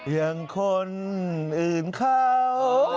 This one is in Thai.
อย่างคนอื่นเขา